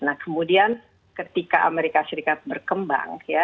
nah kemudian ketika amerika serikat berkembang ya